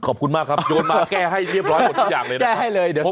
ขอบคุณมากครับโยนมาแก้ให้เรียบร้อยหมดทุกอย่างเลยนะครับ